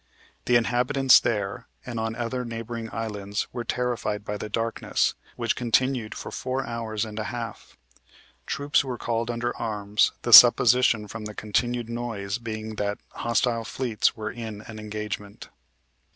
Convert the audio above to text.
The inhabitants there and on other neighboring islands were terrified by the darkness, which continued for four hours and a half. Troops were called under arms, the supposition from the continued noise being that hostile fleets were in an engagement.